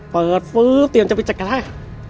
ฟื้อเตรียมจะไปจัดการให้